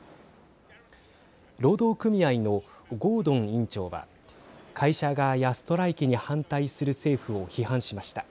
労働組合のゴードン委員長は会社側やストライキに反対する政府を批判しました。